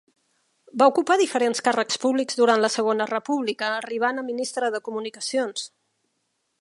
Va ocupar diferents càrrecs públics durant la Segona República, arribant a Ministre de Comunicacions.